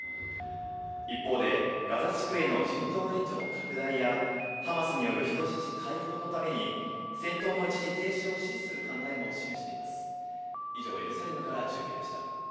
一方で、ガザ地区への人道援助の拡大や、ハマスによる人質解放のために、戦闘の一時停止を指示する考えも示しています。